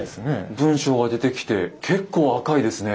文章が出てきて結構赤いですね。